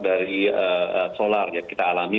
dari solar yang kita alami